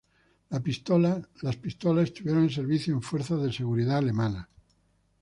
Las pistolas estuvieron en servicio en fuerzas de seguridad alemanas.